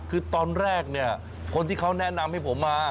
คือตอนแรกเนี่ยคนที่เขาแนะนำให้ผมมา